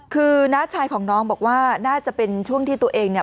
คือน้าชายของน้องบอกว่าน่าจะเป็นช่วงที่ตัวเองเนี่ย